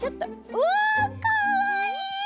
うわかわいい！